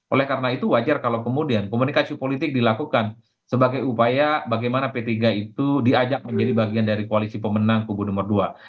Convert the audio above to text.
oleh karena itu wajar kalau kemudian komunikasi politik dilakukan sebagai upaya bagaimana p tiga itu diajak menjadi bagian dari koalisi pemenang kubur nomor dua